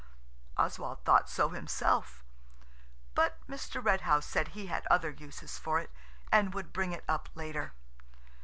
Oswald thought so himself. But Mr. Red House said he had other uses for it, and would bring it up later.